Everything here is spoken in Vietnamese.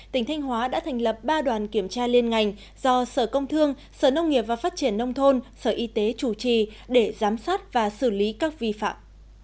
tỉnh thanh hóa đã thành lập ba đoàn kiểm tra liên ngành do sở công thương sở nông nghiệp và phát triển nông thôn sở y tế chủ trì để giám sát và xử lý các vi phạm